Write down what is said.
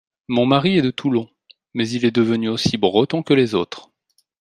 Mon mari est de Toulon, mais il est devenu aussi breton que les autres.